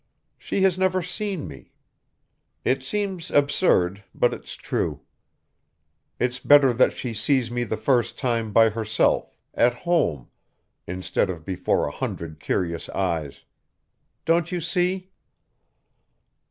She has never seen me. It seems absurd, but it's true. It's better that she sees me the first time by herself, at home, instead of before a hundred curious eyes. Don't you see?"